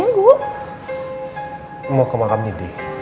nenek nanti aku pergi